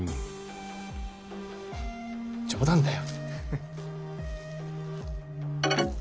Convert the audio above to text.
冗談だよ。